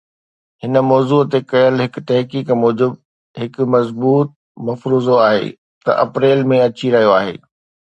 هن موضوع تي ڪيل هڪ تحقيق موجب، هڪ مضبوط مفروضو آهي ته اپريل ۾ اچي رهيو آهي